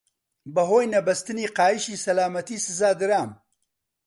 بەهۆی نەبەستنی قایشی سەلامەتی سزا درام.